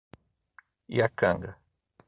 Iacanga